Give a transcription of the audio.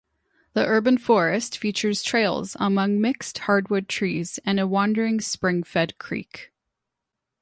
The urban forest features trails among mixed hardwood trees and a wandering spring-fed creek.